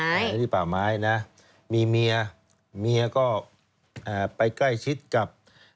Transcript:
เป็นเจ้าหน้าที่ป่าไม้นะมีเมียเมียก็ไปใกล้ชิดกับ